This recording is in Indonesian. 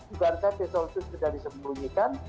juga disana pistol itu sudah disembunyikan